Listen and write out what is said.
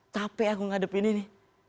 capek aku ngadepin ini